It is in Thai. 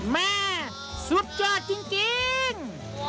แม่สุดยอดจริง